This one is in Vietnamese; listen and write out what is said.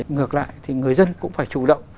ngược lại thì người dân cũng phải chủ động